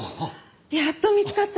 やっと見つかった。